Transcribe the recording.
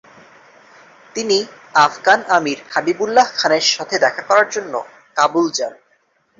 তিনি আফগান আমির হাবিবউল্লাহ খানের সাথে দেখা করার জন্য কাবুল যান।